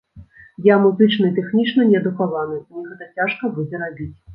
Я музычна і тэхнічна неадукаваны, мне гэта цяжка будзе рабіць.